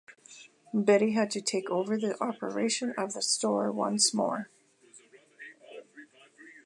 Betty had to take over the operation of the store once more.